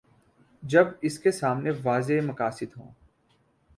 جب اس کے سامنے واضح مقاصد ہوں۔